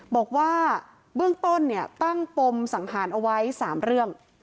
บอกว่าเบื้องต้นเนี่ยตั้งปมสังหารเอาไว้๓เรื่อง